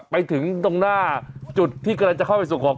ไปถึงตรงหน้าจุดที่กำลังจะเข้าไปส่งของ